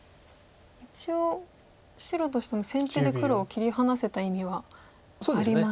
一応白としても先手で黒を切り離せた意味はありますか。